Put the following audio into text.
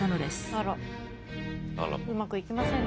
あらうまくいきませんね。